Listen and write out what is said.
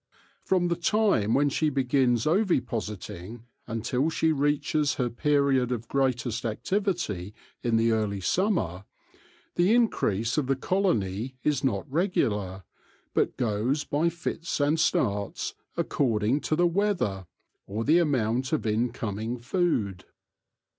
From the time when she begins ovipositing, until she reaches her period of greatest activity in early summer, the increase of the colony is not regular, but goes by fits and starts according to the weather, or the amount of incoming food.